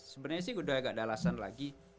sebenarnya sih udah gak ada alasan lagi